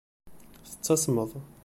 Tettasmeḍ.